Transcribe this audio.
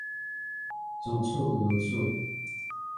如此如此